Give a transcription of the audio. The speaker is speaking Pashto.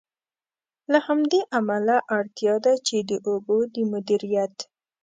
له همدې امله، اړتیا ده چې د اوبو د مدیریت.